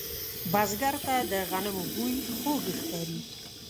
بزګر ته د غنمو بوی خوږ ښکاري